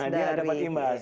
ya mereka dapat imbas